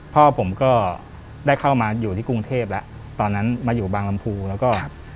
พ่อผมก็ได้เข้ามาอยู่ที่กรุงเทพแล้วตอนนั้นมาอยู่บางลำพูแล้วก็